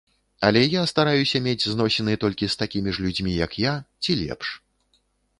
Але я стараюся мець зносіны толькі з такімі ж людзьмі, як я, ці лепш.